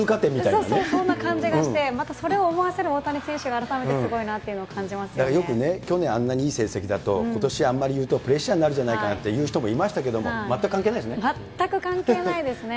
そうそう、そんな感じがして、またそれを思わせる大谷選手が改めてすごいなっていうのを感じまよくね、去年、あんなにいい成績だと、ことしあんまり言うとプレッシャーになるじゃないかとか言う人もいましたけども、全く関係ないですね。